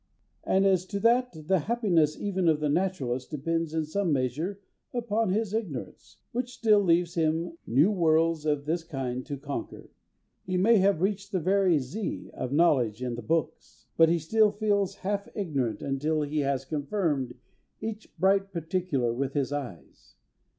And, as to that, the happiness even of the naturalist depends in some measure upon his ignorance, which still leaves him new worlds of this kind to conquer. He may have reached the very Z of knowledge in the books, but he still feels half ignorant until he has confirmed each bright particular with his eyes.